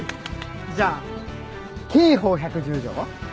じゃあ刑法１１０条は？